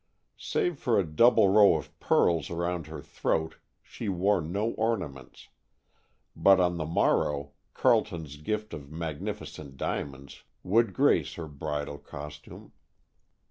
Save for a double row of pearls around her throat, she wore no ornaments, but on the morrow Carleton's gift of magnificent diamonds would grace her bridal costume.